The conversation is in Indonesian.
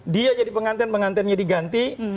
dia jadi penganten pengantennya diganti